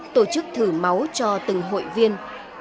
tổ chức thử máu cho từng hội viên